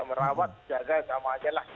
merawat jaga sama aja lah